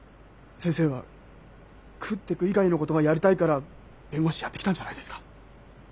先生は「食ってく」以外のことがやりたいから弁護士やってきたんじゃないですか。